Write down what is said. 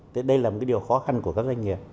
thế đây là một cái điều khó khăn của các doanh nghiệp